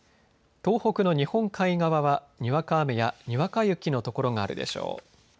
東北の日本海側は、にわか雨やにわか雪の所があるでしょう。